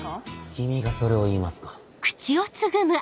君がそれを言いますか。